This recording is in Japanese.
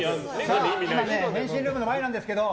変身ルームの前なんですけど